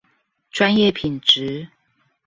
專業品質